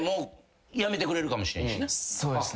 そうですね。